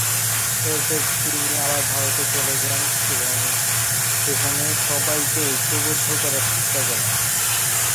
এরপর তিনি আবার ভারতে চলে যান এবং সেখানে সবাইকে ঐক্যবদ্ধ করার চেষ্টা করেন।